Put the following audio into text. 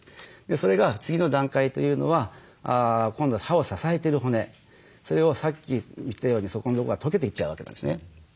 それが次の段階というのは今度は歯を支えてる骨それをさっき言ったようにそこんとこが溶けていっちゃうわけですね。